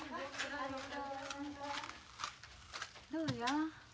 どうや？